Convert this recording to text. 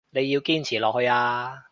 你要堅持落去啊